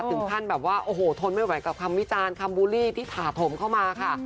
ถึงขั้นแบบว่าโอ้โหทนไม่ไหวกับคำวิจารณ์คำบูลลี่ที่ถาถมเข้ามาค่ะ